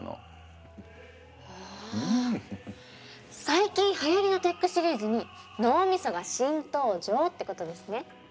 最近はやりのテックシリーズに脳みそが新登場ってことですね。